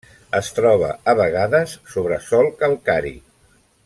Es troba a vegades sobre sòl calcari.